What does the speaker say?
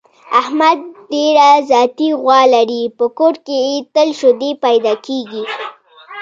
احمد ډېره ذاتي غوا لري، په کور کې یې تل شیدې پیدا کېږي.